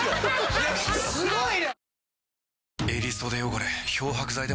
すごいね。